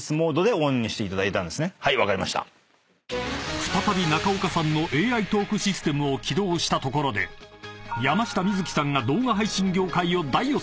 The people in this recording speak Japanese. ［再び中岡さんのＡＩトークシステムを起動したところで山下美月さんが動画配信業界を大予想］